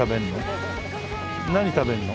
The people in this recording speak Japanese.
何食べるの？